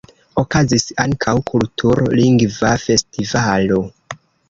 Okazis ankaŭ kultur-lingva festivalo.